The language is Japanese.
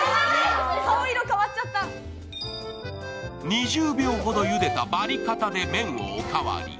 ２０秒ほどゆでたバリカタで麺をおかわり。